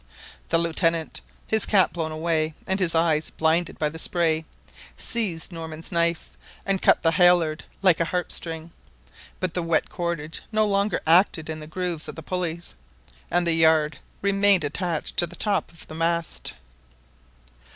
The Lieutenant, his cap blown away and his eyes blinded by the spray, seized Norman's knife and cut the halliard like a harp string; but the wet cordage no longer acted in the grooves of the pulleys, and the yard remained attached to the top of the mast.